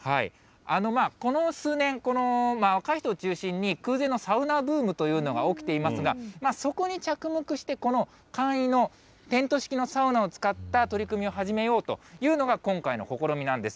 この数年、この若い人を中心に空前のサウナブームというのが起きていますが、そこに着目して、この簡易のテント式のサウナを使った取り組みを始めようというのが、今回の試みなんです。